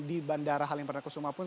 di bandara halim perdana kusuma pun